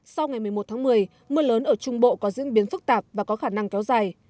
sau ngày một mươi một tháng một mươi mưa lớn ở trung bộ có diễn biến phức tạp và có khả năng kéo dài